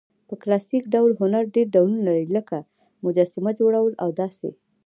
په کلاسیک ډول هنرډېر ډولونه لري؛ لکه: مجسمه، جوړول او داسي...